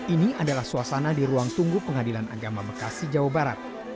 ini adalah suasana di ruang tunggu pengadilan agama bekasi jawa barat